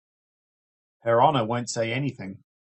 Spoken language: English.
Her Honor won't say anything.